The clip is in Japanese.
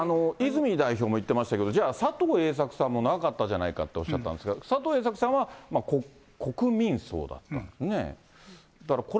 泉代表も言ってましたけど、じゃあ、佐藤栄作さんも長かったじゃないかとおっしゃったんですが、佐藤栄作さんは国民葬だったんですよね。